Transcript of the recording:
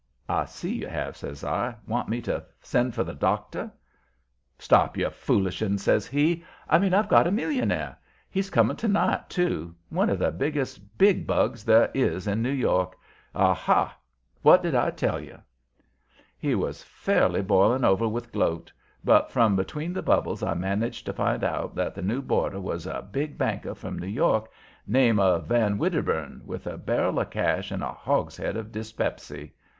"I see you have," says I. "Want me to send for the doctor?" "Stop your foolishing," he says. "I mean I've got a millionaire. He's coming to night, too. One of the biggest big bugs there is in New York. Ah, ha! what did I tell you?" He was fairly boiling over with gloat, but from between the bubbles I managed to find out that the new boarder was a big banker from New York, name of Van Wedderburn, with a barrel of cash and a hogshead of dyspepsy.